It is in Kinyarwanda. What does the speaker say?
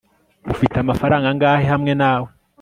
ufite amafaranga angahe hamwe nawe